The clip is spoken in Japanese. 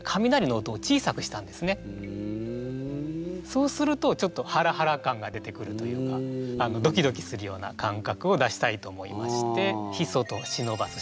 そうするとちょっとハラハラ感が出てくるというかドキドキするような感覚を出したいと思いまして「ひそと忍ばす」